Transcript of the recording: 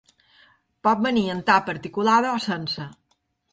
Pot venir amb tapa articulada o sense.